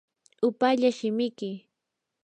upallaa shimiki.